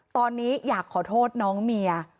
ตอนนี้อยากขอโทษน้องเมีย